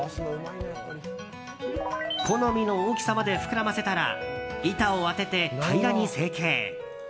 好みの大きさまで膨らませたら板を当てて、平らに成形。